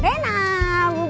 adakah kurang kalian karimoh